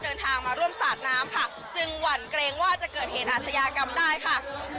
เดินทางมาร่วมสาดน้ำค่ะจึงหวั่นเกรงว่าจะเกิดเหตุอาชญากรรมได้ค่ะ